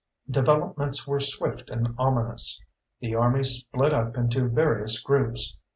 Developments were swift and ominous. The Army split up into various groups.